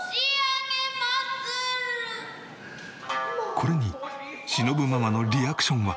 これにしのぶママのリアクションは。